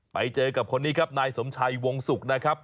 ไปเจอกับคนนี้ครับนายสมชัยวงศุกร์นะครับ